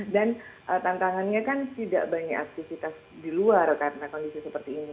tantangannya kan tidak banyak aktivitas di luar karena kondisi seperti ini